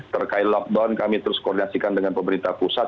terkait lockdown kami terus koordinasikan dengan pemerintah pusat